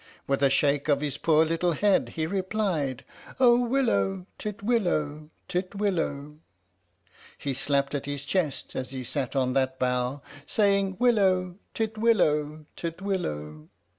With a shake of his poor little head he replied, "Oh willow, titwillow, titwillow! " IIO THE STORY OF THE MIKADO He slapped at his chest as he sat on that bough, Saying "Willow, titwillow, titwillow!